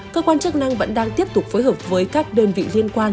cơ quan chức năng vẫn đang tiếp tục phối hợp với các đơn vị liên quan